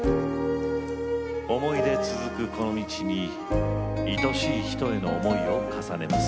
想い出続くこの道にいとしい人への想いを重ねます。